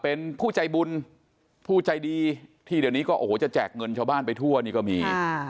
เป็นผู้ใจบุญผู้ใจดีที่เดี๋ยวนี้ก็โอ้โหจะแจกเงินชาวบ้านไปทั่วนี่ก็มี